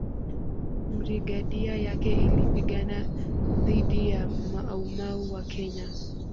Brigadia yake ilipigana dhidi ya Mau Mau wa Kenya